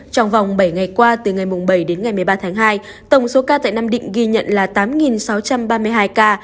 trong vòng bảy ngày qua từ ngày bảy đến ngày một mươi ba tháng hai tổng số ca tại nam định ghi nhận là tám sáu trăm ba mươi hai ca